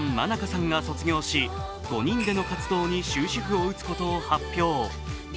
ｍａｎａｋａさんが卒業し５人での活動に終止符を打つことを発表。